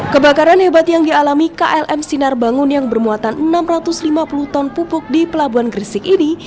kebakaran hebat yang dialami klm sinar bangun yang bermuatan enam ratus lima puluh ton pupuk di pelabuhan gresik ini